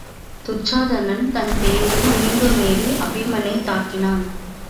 துச்சாதனன் தன் தேரில் மீண்டும் ஏறி அபிமனைத் தாக்கினான்.